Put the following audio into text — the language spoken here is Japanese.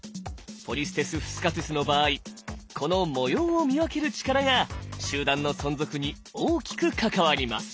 ポリステス・フスカトゥスの場合この模様を見分ける力が集団の存続に大きく関わります。